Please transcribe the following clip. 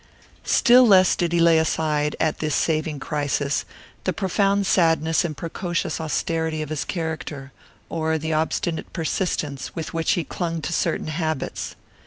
Still less did he lay aside, at this saving crisis, the profound sadness and precocious austerity of his character, or the obstinate persistence with which he clung to certain habits.